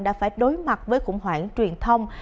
đã phải đối mặt với khủng hoảng truyền thông